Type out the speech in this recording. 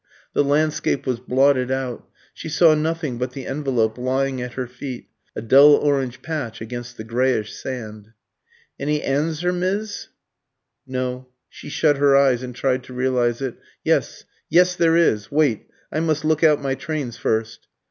The landscape was blotted out; she saw nothing but the envelope lying at her feet, a dull orange patch against the greyish sand. "Any awnzur, Mizz?" "No." She shut her eyes and tried to realise it. "Yes yes, there is! Wait I must look out my trains first."